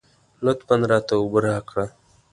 لطفاً راته اوبه راکړه.